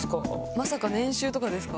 まさか年収とかですか？